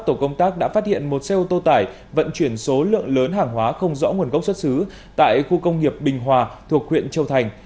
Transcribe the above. tổ công tác đã phát hiện một xe ô tô tải vận chuyển số lượng lớn hàng hóa không rõ nguồn gốc xuất xứ tại khu công nghiệp bình hòa thuộc huyện châu thành